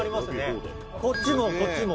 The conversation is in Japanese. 「こっちもこっちも」